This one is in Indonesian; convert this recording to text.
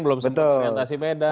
belum sempat perorientasi medan